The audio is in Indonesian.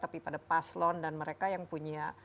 tapi pada paslon dan mereka yang punya